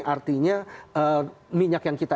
artinya minyak yang kita